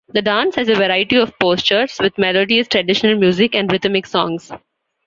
The dance has a variety of postures, with melodious traditional music and rhythmic songs.